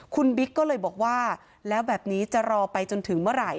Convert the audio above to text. คุณบิ๊กก็เลยบอกว่าแล้วแบบนี้จะรอไปจนถึงเมื่อไหร่